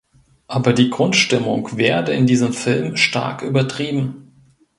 Aber die Grundstimmung werde in diesem Film stark übertrieben.